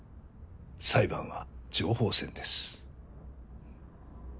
裁判は情報戦です。